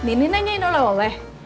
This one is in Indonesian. ini nanyain lu lah woleh